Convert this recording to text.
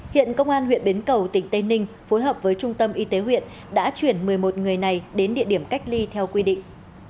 hiện công an huyện bến cầu tỉnh tây ninh phối hợp với trung tâm y tế huyện đã chuyển một mươi một người này đến địa điểm cách ly theo quy định